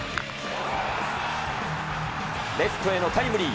レフトへのタイムリー。